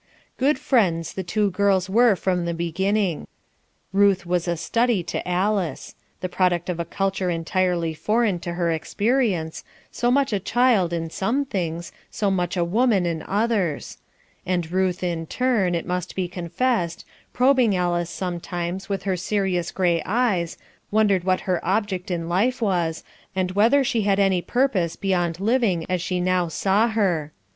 Good friends the two girls were from the beginning. Ruth was a study to Alice; the product of a culture entirely foreign to her experience, so much a child in some things, so much a woman in others; and Ruth in turn, it must be confessed, probing Alice sometimes with her serious grey eyes, wondered what her object in life was, and whether she had any purpose beyond living as she now saw her.